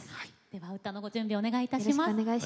では歌のご準備をお願いいたします。